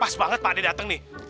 pas banget pak dek dateng nih